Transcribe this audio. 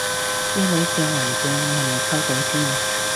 啲女正還正你係咪溝到先